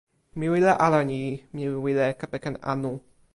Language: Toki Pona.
mi wile ala ni: mi wile kepeken anu.